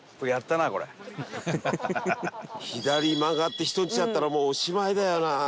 左曲がって人んちだったらもうおしまいだよな。